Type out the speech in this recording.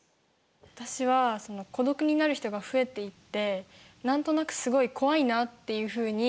私はその孤独になる人が増えていってなんとなくすごい怖いなっていうふうに感じました。